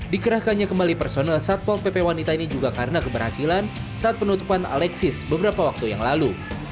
dikerahkannya kembali personel satpol pp wanita ini juga karena keberhasilan saat penutupan alexis beberapa waktu yang lalu